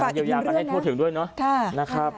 ฝากอีกหนึ่งเรื่องนะโทษถึงด้วยเนอะค่ะนะครับ